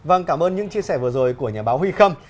vâng cảm ơn những chia sẻ vừa rồi của nhà báo huy khâm